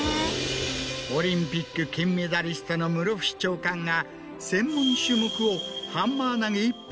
オリンピック金メダリストの室伏長官が。